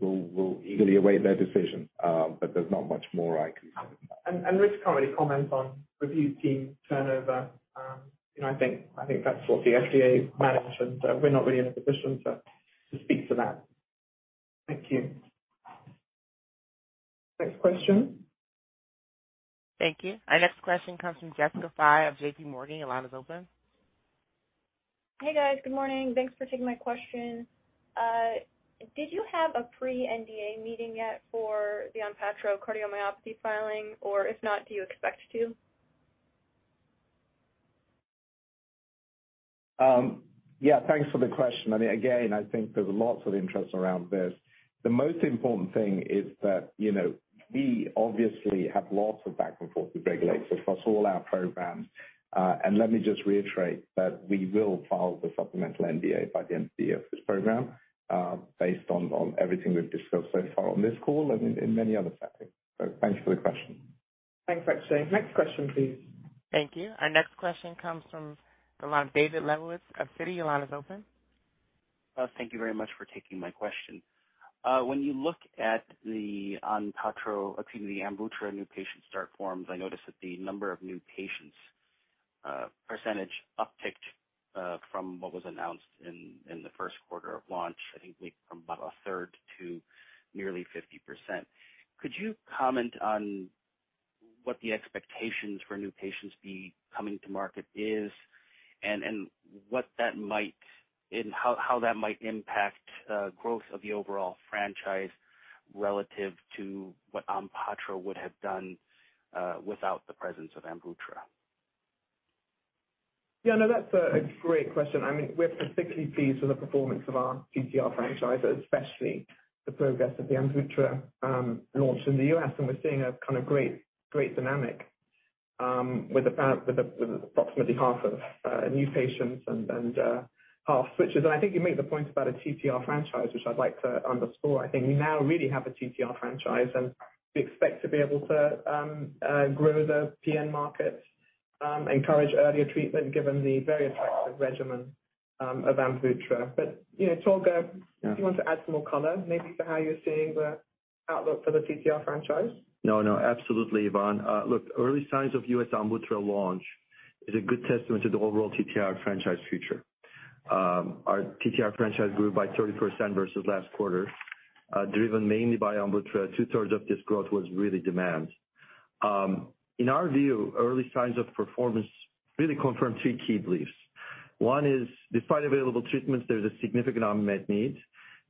We'll eagerly await their decision. But there's not much more I can say. Ritu can't really comment on review team turnover. You know, I think that's what the FDA manage, and we're not really in a position to speak to that. Thank you. Next question. Thank you. Our next question comes from Jessica Fye of JP Morgan. Your line is open. Hey, guys. Good morning. Thanks for taking my question. Did you have a pre-NDA meeting yet for the ONPATTRO cardiomyopathy filing, or if not, do you expect to? Yeah, thanks for the question. I mean, again, I think there's lots of interest around this. The most important thing is that, you know, we obviously have lots of back and forth with regulators across all our programs. Let me just reiterate that we will file the supplemental NDA by the end of the year for this program, based on everything we've discussed so far on this call and in many other settings. Thanks for the question. Thanks, Jessica. Next question, please. Thank you. Our next question comes from the line of David Lebowitz of Citi. Your line is open. Thank you very much for taking my question. When you look at the ONPATTRO, excuse me, the AMVUTTRA new patient start forms, I noticed that the number of new patients percentage upticked from what was announced in the first quarter of launch. I think we went from about a third to nearly 50%. Could you comment on what the expectations for new patients be coming to market is and what that might and how that might impact growth of the overall franchise relative to what ONPATTRO would have done without the presence of AMVUTTRA? Yeah. No, that's a great question. I mean, we're particularly pleased with the performance of our TTR franchise, especially the progress of the AMVUTTRA launch in the U.S., and we're seeing a kind of great dynamic with approximately half of new patients and half switches. I think you make the point about a TTR franchise, which I'd like to underscore. I think we now really have a TTR franchise, and we expect to be able to grow the PN market, encourage earlier treatment given the various types of regimen of AMVUTTRA. You know, Tolga- Yeah. If you want to add some more color, maybe, for how you're seeing the outlook for the TTR franchise. No, no, absolutely, Yvonne. Look, early signs of U.S. AMVUTTRA launch is a good testament to the overall TTR franchise future. Our TTR franchise grew by 30% vs last quarter, driven mainly by AMVUTTRA. Two-thirds of this growth was really demand. In our view, early signs of performance really confirm two key beliefs. One is, despite available treatments, there's a significant unmet need,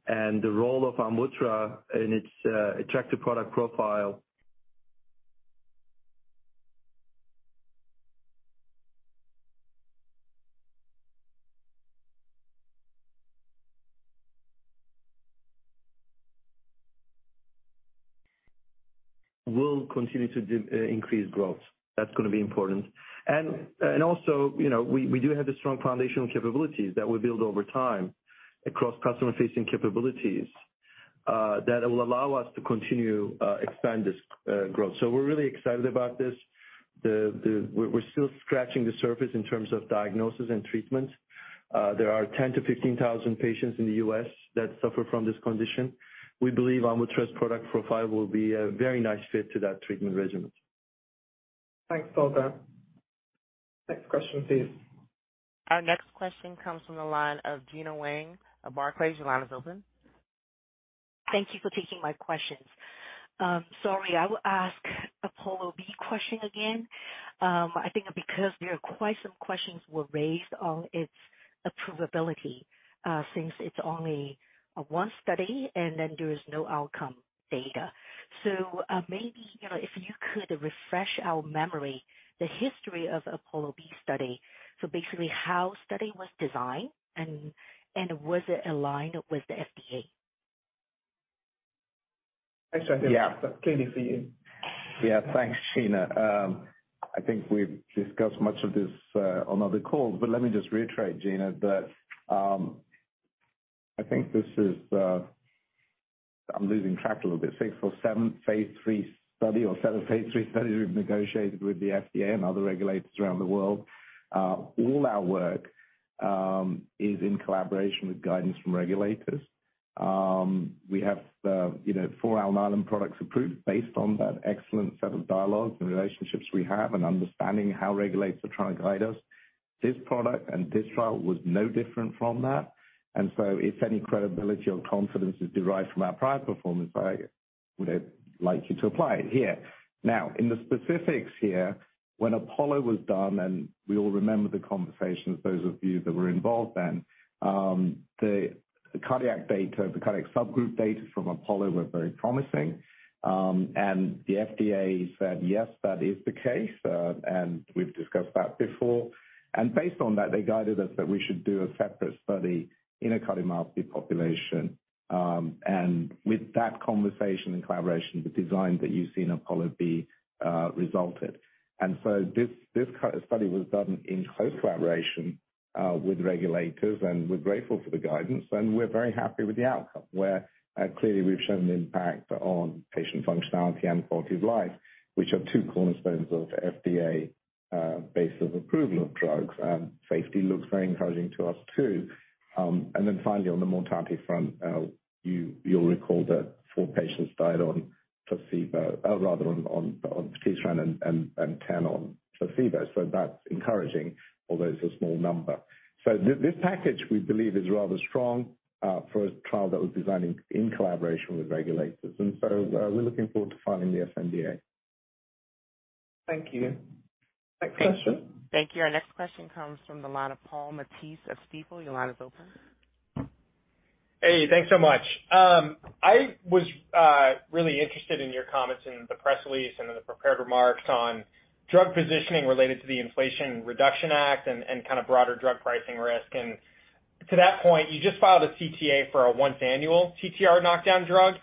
and the role of AMVUTTRA and its attractive product profile will continue to increase growth. That's gonna be important. Also, you know, we do have the strong foundational capabilities that we build over time across customer-facing capabilities that it will allow us to continue expand this growth. So we're really excited about this. We're still scratching the surface in terms of diagnosis and treatment. There are 10-15,000 patients in the U.S. that suffer from this condition. We believe AMVUTTRA's product profile will be a very nice fit to that treatment regimen. Thanks, Tolga. Next question, please. Our next question comes from the line of Gena Wang of Barclays. Your line is open. Thank you for taking my questions. Sorry, I will ask APOLLO-B question again. I think because there are quite some questions were raised on its approvability, since it's only one study and then there is no outcome data. Maybe, you know, if you could refresh our memory, the history of APOLLO-B study. Basically, how the study was designed and was it aligned with the FDA? Actually, I think. Yeah. That's clearly for you. Thanks, Gena. I think we've discussed much of this on other calls, but let me just reiterate, Gena, that I think this is. I'm losing track a little bit. Sixth or seventh phase III study or set of phase III studies we've negotiated with the FDA and other regulators around the world. All our work is in collaboration with guidance from regulators. We have, you know, 4 Alnylam products approved based on that excellent set of dialogues and relationships we have and understanding how regulators are trying to guide us. This product and this trial was no different from that. If any credibility or confidence is derived from our prior performance, we'd like you to apply it here. Now, in the specifics here, when APOLLO was done, and we all remember the conversations, those of you that were involved then, the cardiac data, the cardiac subgroup data from APOLLO were very promising. The FDA said, yes, that is the case, and we've discussed that before. Based on that, they guided us that we should do a separate study in a cardiomyopathy population. With that conversation and collaboration, the design that you see in APOLLO-B resulted. This study was done in close collaboration with regulators, and we're grateful for the guidance, and we're very happy with the outcome, where clearly we've shown an impact on patient functionality and quality of life, which are two cornerstones of FDA basis of approval of drugs. Safety looks very encouraging to us too. Finally, on the mortality front, you'll recall that four patients died on vutrisiran and 10 on placebo. That's encouraging, although it's a small number. This package we believe is rather strong for a trial that was designed in collaboration with regulators. We're looking forward to filing the sNDA. Thank you. Next question. Thank you. Our next question comes from the line of Paul Matteis of Stifel. Your line is open. Hey, thanks so much. I was really interested in your comments in the press release and in the prepared remarks on drug positioning related to the Inflation Reduction Act and kind of broader drug pricing risk. To that point, you just filed a CTA for a once annual TTR knockdown drug.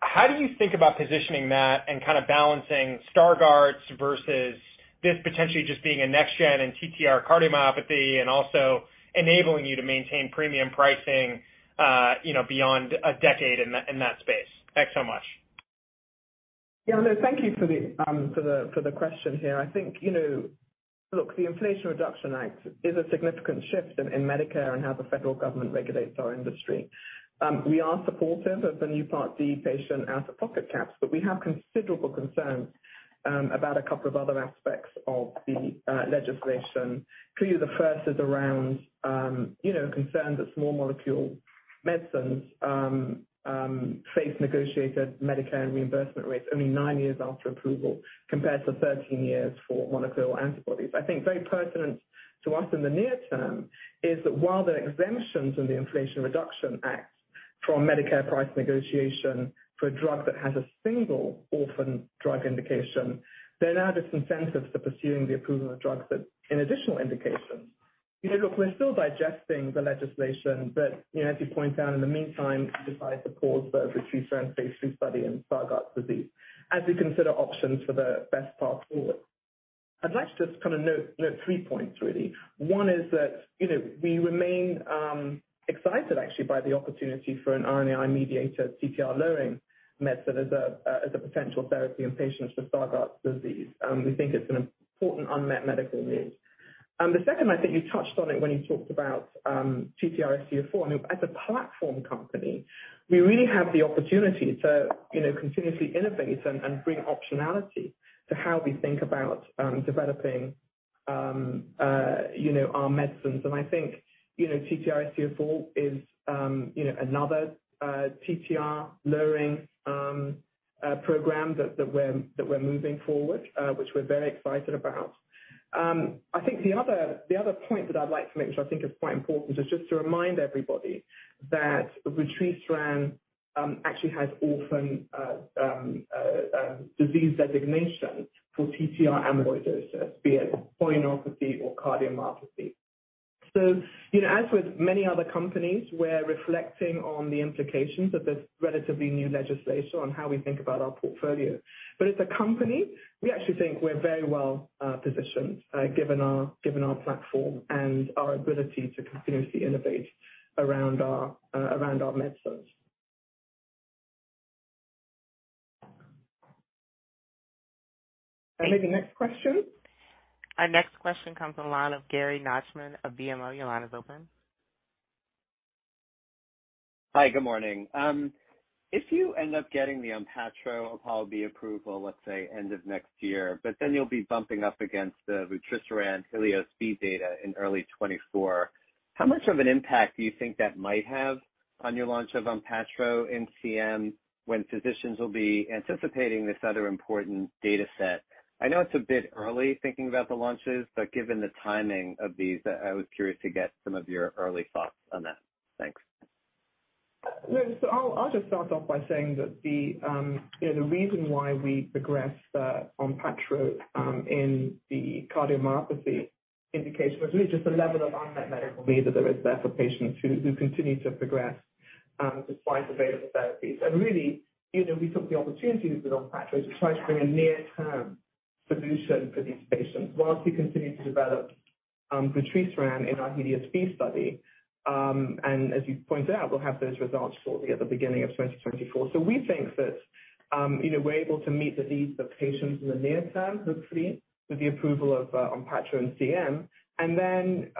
How do you think about positioning that and kind of balancing Stargardt's vs this potentially just being a next gen in TTR cardiomyopathy and also enabling you to maintain premium pricing, you know, beyond a decade in that space? Thanks so much. Yeah, no, thank you for the question here. I think, you know, look, the Inflation Reduction Act is a significant shift in Medicare and how the federal government regulates our industry. We are supportive of the new Part D patient out-of-pocket caps, but we have considerable concerns about a couple of other aspects of the legislation. Clearly, the first is around, you know, concerns that small molecule medicines face negotiated Medicare reimbursement rates only nine years after approval, compared to 13 years for monoclonal antibodies. I think very pertinent to us in the near term is that while there are exemptions in the Inflation Reduction Act from Medicare price negotiation for a drug that has a single orphan drug indication, there are now disincentives to pursuing the approval of drugs that in additional indications. You know, look, we're still digesting the legislation, but, you know, as you point out, in the meantime, we decided to pause the ritukiran phase III study in Stargardt disease as we consider options for the best path forward. I'd like to just kinda note three points, really. One is that, you know, we remain excited actually by the opportunity for an RNAi-mediated TTR lowering method as a potential therapy in patients with Stargardt disease. We think it's an important unmet medical need. The second, I think you touched on it when you talked about ALN-TTRsc04. I mean, as a platform company, we really have the opportunity to, you know, continuously innovate and bring optionality to how we think about developing, you know, our medicines. I think, you know, TTR-SC04 is, you know, another TTR-lowering program that we're moving forward, which we're very excited about. I think the other point that I'd like to make, which I think is quite important, is just to remind everybody that vutrisiran actually has orphan drug designation for TTR amyloidosis, be it polyneuropathy or cardiomyopathy. You know, as with many other companies, we're reflecting on the implications of this relatively new legislation on how we think about our portfolio. As a company, we actually think we're very well positioned, given our platform and our ability to continuously innovate around our medicines. Maybe next question. Our next question comes from the line of Gary Nachman of BMO. Your line is open. Hi. Good morning. If you end up getting the ONPATTRO APOLLO-B approval, let's say end of next year, but then you'll be bumping up against the vutrisiran HELIOS-B data in early 2024, how much of an impact do you think that might have on your launch of ONPATTRO in CM when physicians will be anticipating this other important data set? I know it's a bit early thinking about the launches, but given the timing of these, I was curious to get some of your early thoughts on that. Thanks. No. I'll just start off by saying that you know, the reason why we progressed ONPATTRO in the cardiomyopathy indication was really just the level of unmet medical need that there is there for patients who continue to progress despite available therapies. Really, you know, we took the opportunity with ONPATTRO to try to bring a near-term solution for these patients while we continue to develop vutrisiran in our HELIOS-B study. As you point out, we'll have those results shortly at the beginning of 2024. We think that, you know, we're able to meet the needs of patients in the near term, hopefully, with the approval of ONPATTRO in CM, and then,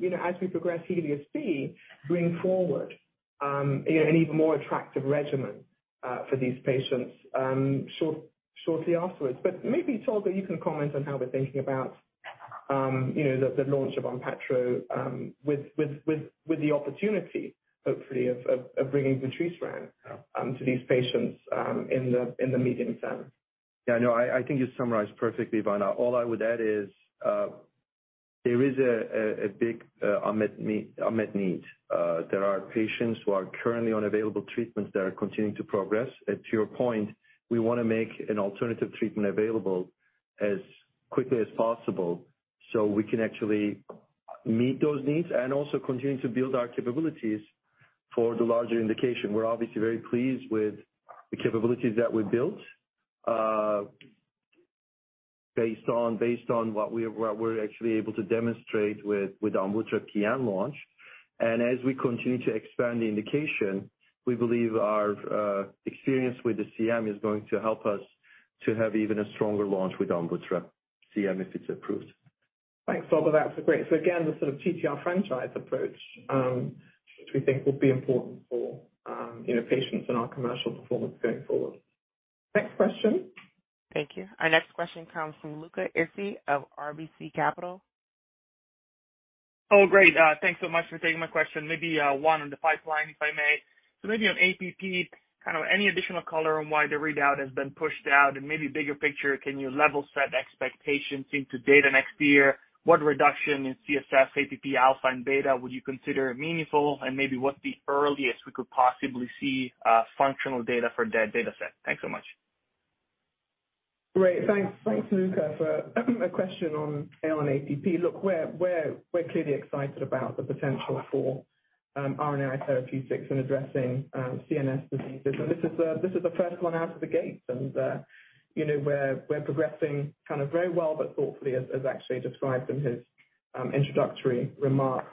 you know, as we progress HELIOS-B, bring forward, you know, an even more attractive regimen for these patients shortly afterwards. But maybe, Tolga, you can comment on how we're thinking about. You know, the launch of ONPATTRO with the opportunity, hopefully, of bringing vutrisiran to these patients in the medium term. Yeah, no, I think you summarized perfectly, Yvonne. All I would add is there is a big unmet need. There are patients who are currently on available treatments that are continuing to progress. To your point, we wanna make an alternative treatment available as quickly as possible so we can actually meet those needs and also continue to build our capabilities for the larger indication. We're obviously very pleased with the capabilities that we've built based on what we're actually able to demonstrate with the AMVUTTRA PN launch. As we continue to expand the indication, we believe our experience with the CM is going to help us to have even a stronger launch with AMVUTTRA CM, if it's approved. Thanks, Tolga. That's great. Again, the sort of TTR franchise approach, which we think will be important for, you know, patients and our commercial performance going forward. Next question. Thank you. Our next question comes from Luca Issi of RBC Capital Markets. Oh, great. Thanks so much for taking my question. Maybe one on the pipeline, if I may. Maybe on APP, kind of any additional color on why the readout has been pushed out and maybe bigger picture, can you level set expectations into data next year? What reduction in CSF, APP, alpha and beta would you consider meaningful? Maybe what's the earliest we could possibly see functional data for that data set? Thanks so much. Great. Thanks. Thanks, Luca, for a question on ALN-APP. Look, we're clearly excited about the potential for RNAi therapeutics in addressing CNS diseases. This is the first one out of the gate. You know, we're progressing kind of very well, but thoughtfully as Akshay described in his introductory remarks.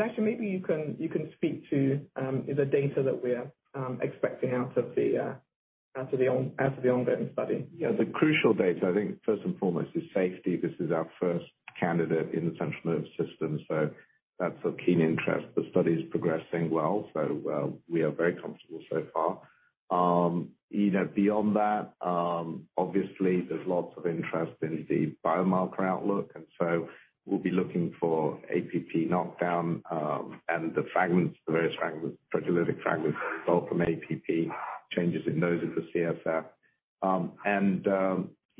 Actually, maybe you can speak to the data that we're expecting out of the ongoing study. Yeah. The crucial data, I think first and foremost, is safety. This is our first candidate in the central nervous system, so that's of keen interest. The study is progressing well. We are very comfortable so far. You know, beyond that, obviously there's lots of interest in the biomarker outlook, and so we'll be looking for APP knockdown, and the various proteolytic fragments resulting from APP changes in the CSF.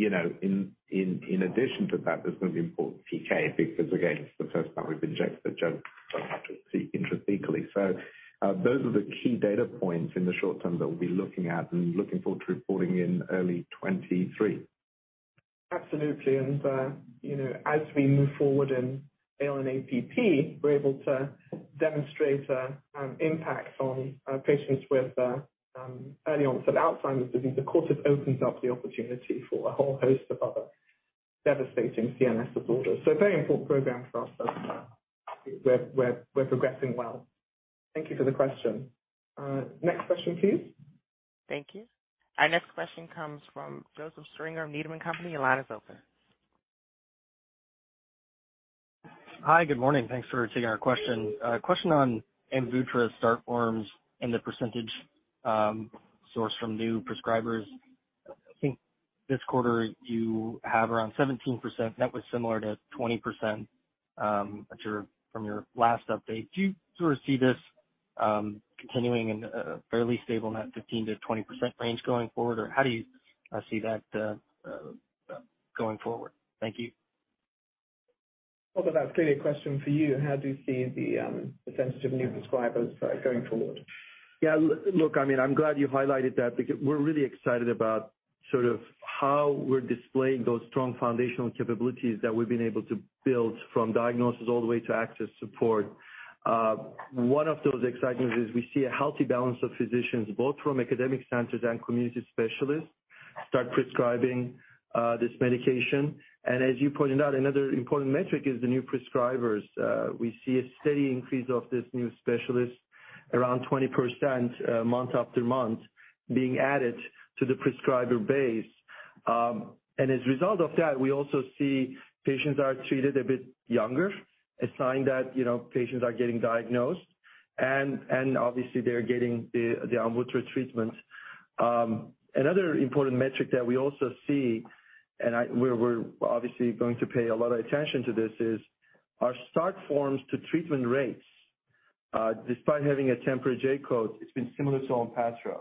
You know, in addition to that, there's gonna be important PK because again, it's the first time we've injected the drug intrathecally. Those are the key data points in the short term that we'll be looking at and looking forward to reporting in early 2023. Absolutely. You know, as we move forward in ALN-APP, we're able to demonstrate impacts on patients with early onset Alzheimer's disease. Of course, it opens up the opportunity for a whole host of other devastating CNS disorders. A very important program for us as we're progressing well. Thank you for the question. Next question, please. Thank you. Our next question comes from Joseph Stringer of Needham & Company. Your line is open. Hi. Good morning. Thanks for taking our question. A question on AMVUTTRA start forms and the percentage sourced from new prescribers. I think this quarter you have around 17%. That was similar to 20%, but from your last update. Do you sort of see this continuing in a fairly stable, that 15%-20% range going forward? Or how do you see that going forward? Thank you. Tolga, that's clearly a question for you. How do you see the percentage of new prescribers going forward? Yeah. Look, I mean, I'm glad you highlighted that because we're really excited about sort of how we're displaying those strong foundational capabilities that we've been able to build from diagnosis all the way to access support. One of those excitements is we see a healthy balance of physicians, both from academic centers and community specialists, start prescribing this medication. As you pointed out, another important metric is the new prescribers. We see a steady increase of these new specialists around 20%, month after month being added to the prescriber base. As a result of that, we also see patients are treated a bit younger, a sign that, you know, patients are getting diagnosed. Obviously they're getting the AMVUTTRA treatment. Another important metric that we also see, we're obviously going to pay a lot of attention to this, is our start forms to treatment rates. Despite having a temporary J-code, it's been similar to ONPATTRO.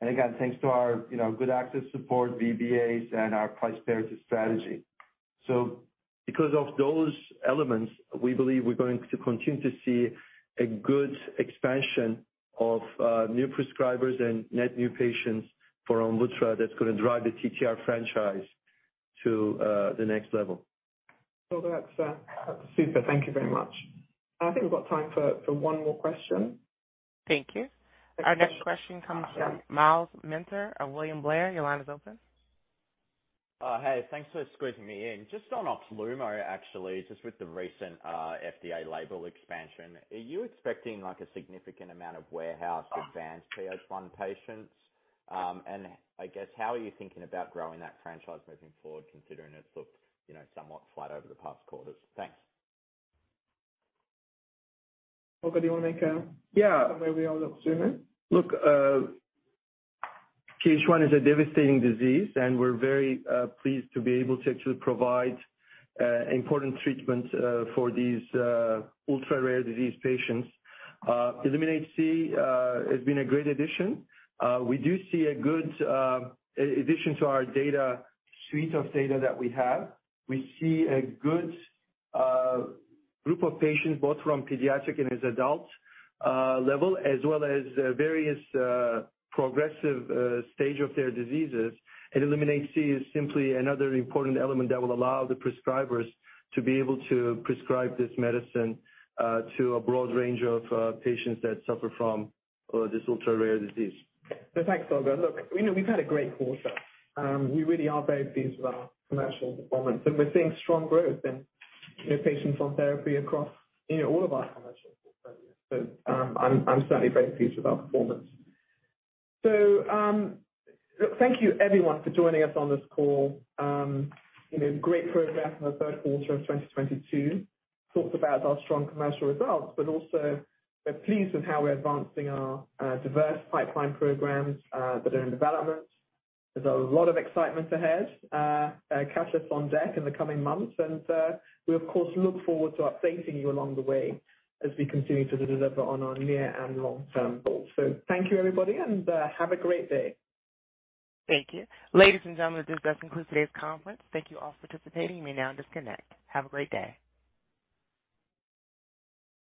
Again, thanks to our, you know, good access support, VBAs and our price parity strategy. Because of those elements, we believe we're going to continue to see a good expansion of new prescribers and net new patients for AMVUTTRA that's gonna drive the TTR franchise to the next level. That's super. Thank you very much. I think we've got time for one more question. Thank you. Our next question comes from Myles Minter of William Blair. Your line is open. Hey. Thanks for squeezing me in. Just on OXLUMO, actually, just with the recent FDA label expansion, are you expecting, like, a significant amount of advanced PH1 patients? I guess, how are you thinking about growing that franchise moving forward, considering it's looked, you know, somewhat flat over the past quarters? Thanks. Tolga, do you wanna make a Yeah. Comment maybe on OXLUMO? Look, PH1 is a devastating disease, and we're very pleased to be able to actually provide important treatment for these ultra-rare disease patients. ILLUMINATE-C has been a great addition. We do see a good addition to our data, suite of data that we have. We see a good group of patients, both from pediatric and as adult level, as well as various progressive stage of their diseases. ILLUMINATE-C is simply another important element that will allow the prescribers to be able to prescribe this medicine to a broad range of patients that suffer from this ultra-rare disease. Thanks, Tolga. Look, you know, we've had a great quarter. We really are very pleased with our commercial performance, and we're seeing strong growth in, you know, patients on therapy across, you know, all of our commercial portfolios. I'm certainly very pleased with our performance. Look, thank you everyone for joining us on this call. You know, great progress in the third quarter of 2022. Talked about our strong commercial results, but also we're pleased with how we're advancing our diverse pipeline programs that are in development. There's a lot of excitement ahead, catch us on deck in the coming months. We of course look forward to updating you along the way as we continue to deliver on our near and long-term goals. Thank you everybody and, have a great day. Thank you. Ladies and gentlemen, this does conclude today's conference. Thank you all for participating. You may now disconnect. Have a great day.